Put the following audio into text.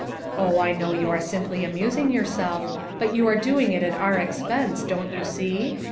Ob, I know you are simply amusing yourself, but you are doing it at our expense, don't you see?